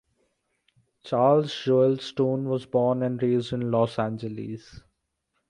Charles Joel Stone was born and raised in Los Angeles.